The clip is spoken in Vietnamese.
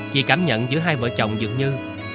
chị cảm nhận giữa hai vợ chồng dược như